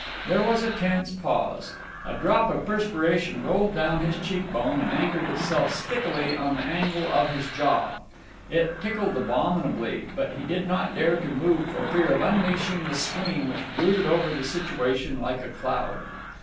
There was a tense pause. A drop of perspiration rolled down his cheek bone and anchored itself stickily on the angle of his jaw. It tickled abominably, but he did not dare to move for fear of unleashing the scream which brooded over the situation like a cloud.